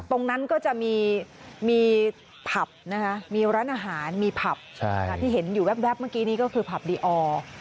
ตรงนั้นก็จะมีผับนะคะมีร้านอาหารมีผับที่เห็นอยู่แว๊บเมื่อกี้นี่ก็คือผับดีออร์